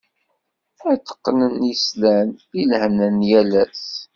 Ad t-qnen yeslan, i lehna n yal ass.